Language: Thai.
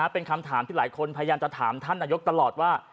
เป็นคำถามที่หลายคนพยายามจะถามท่านนายกตลอดว่า